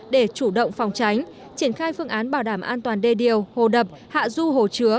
để chủ động phòng tránh triển khai phương án bảo đảm an toàn đê điều hồ đập hạ du hồ chứa